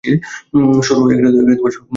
সুর বাজল না।